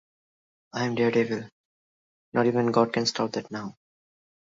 তবে বহু বছরের এমনকি যাবজ্জীবন কারাদণ্ড প্রদান করা হতে পারে।